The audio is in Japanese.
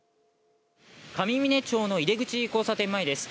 上峰町の井手口交差点前です。